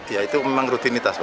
ya itu memang rutinitas